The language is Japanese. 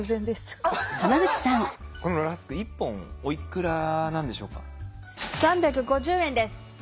このラスク１本おいくらなんでしょうか？